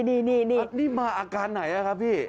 นี่มาอาการไหนครับพี่